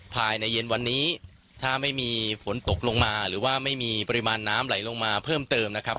ภายในเย็นวันนี้ถ้าไม่มีฝนตกลงมาหรือว่าไม่มีปริมาณน้ำไหลลงมาเพิ่มเติมนะครับ